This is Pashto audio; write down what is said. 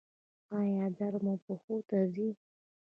ایا درد مو پښو ته ځي؟